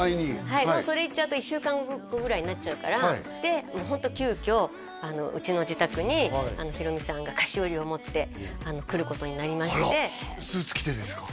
はいそれ行っちゃうと１週間後ぐらいになっちゃうからでホント急きょうちの自宅にヒロミさんが菓子折を持って来ることになりましてあらスーツ着てですか？